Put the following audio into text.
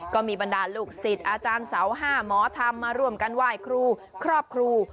บรรดาลูกศิษย์อาจารย์เสา๕หมอธรรมมาร่วมกันไหว้ครูครอบครู